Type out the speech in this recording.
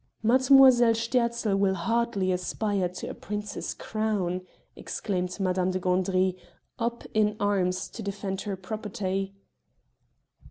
"Mademoiselle Sterzl will hardly aspire to a prince's crown!" exclaimed Madame de Gandry, up in arms to defend her property.